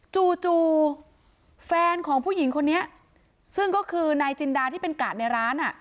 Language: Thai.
จู่จู่แฟนของผู้หญิงคนนี้ซึ่งก็คือนายจินดาที่เป็นกาดในร้านอ่ะ